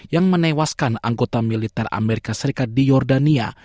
yang menewaskan anggota militer amerika serikat di jordania